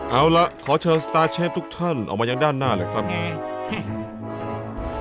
เอาละขอเชิญสตาร์เชฟทุกท่านออกมายังด้านหน้าเลยครับ